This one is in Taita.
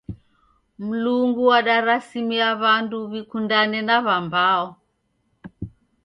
Mlungu udarasimia w'andu w'ikundane na w'ambao.